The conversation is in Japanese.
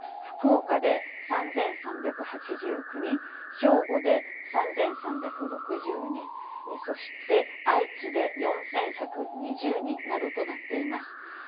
福岡で３３８９人、兵庫で３３６０人、そして愛知で４１２０人などとなっています。